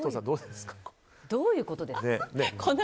どういうことです？